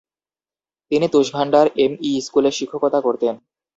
তিনি তুষভান্ডার এম-ই স্কুলে শিক্ষকতা করতেন।